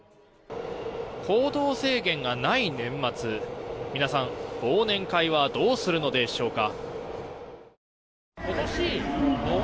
行動制限がない年末皆さん忘年会はどうするのでしょうか。